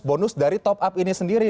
bonus dari top up ini sendiri